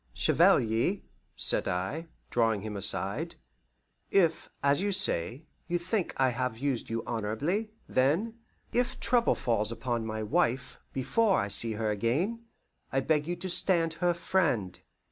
"Chevalier," said I, drawing him aside, "if, as you say, you think I have used you honourably, then, if trouble falls upon my wife before I see her again, I beg you to stand her friend.